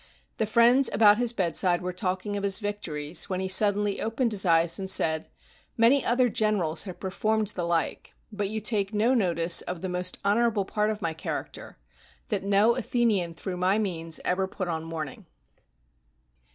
The friends about his bedside were talking of his victories, when he suddenly opened his eyes and said, " Many other generals have performed the like; but you take no notice of the most honorable part of my character, that no Athenian through my means ever put on mourning."